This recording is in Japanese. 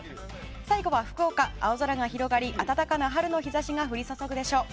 最後は福岡、青空が広がり温かな春の日差しが降り注ぐでしょう。